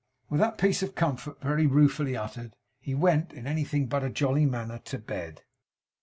With that piece of comfort, very ruefully uttered, he went, in anything but a jolly manner, to bed.